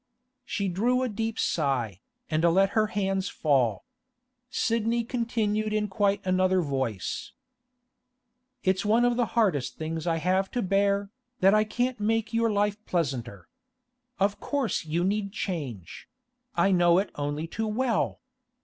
She drew a deep sigh, and let her hands fall. Sidney continued in quite another voice: 'It's one of the hardest things I have to bear, that I can't make your life pleasanter. Of course you need change; I know it only too well.